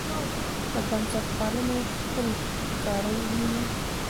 د بنسټپالنې پل په ښکاره ووینو.